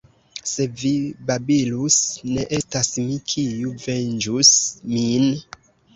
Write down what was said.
Se vi babilus, ne estas mi, kiu venĝus min.